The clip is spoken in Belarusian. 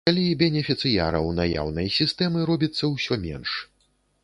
Калі бенефіцыяраў наяўнай сістэмы робіцца ўсё менш.